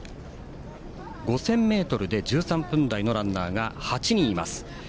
５０００ｍで１３分台のランナーが８人います。